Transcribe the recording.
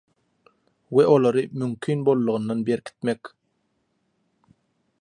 we olary mümkin boldugyndan berkitmek